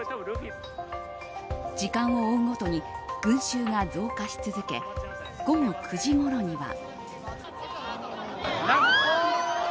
時間を追うごとに群衆が増加し続け午後９時ごろには。